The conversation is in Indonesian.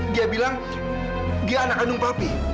dia bilang dia anak kandung papi